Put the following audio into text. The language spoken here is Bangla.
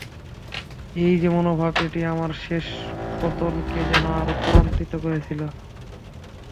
এই যে মনোভাব, এটিই আমার শেষ পতনকে যেন আরো ত্বরান্বিত করেছিল।